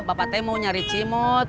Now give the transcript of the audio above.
bapak teh mau nyari cimut